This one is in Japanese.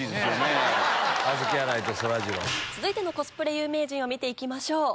続いてのコスプレ有名人を見て行きましょう。